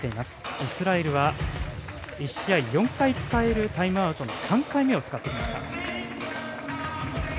イスラエルは１試合４回使えるタイムアウトの３回目を使ってきました。